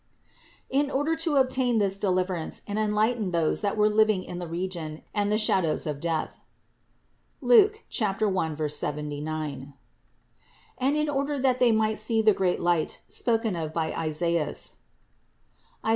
In order to obtain this deliverance and enlighten those that were living in the region and the shadows of death (Luke 1, 79), and in order that they might see the great light spoken of by Isaias (Is.